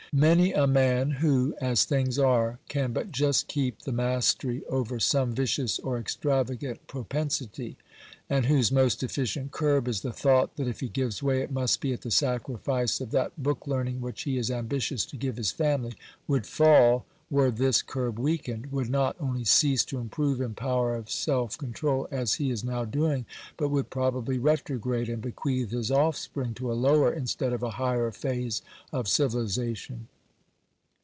Many a man who, as things are, can but just keep the mastery over some vicious or extravagant propensity, and whose most efficient curb is the thought that if he gives way it must be at the sacrifice of that book learning which he is ambitious to give his family, would fall were this curb weakened — would not only cease to improve in power of self control as he is now doing, but would probably retrograde, and bequeath his offspring to a lower in stead of a higher phase of civilization.